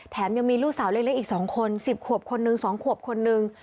ยังมีลูกสาวเล็กอีก๒คน๑๐ขวบคนนึง๒ขวบคนนึง